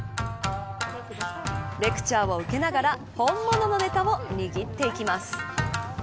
レクチャーを受けながら本物のネタを握っていきます。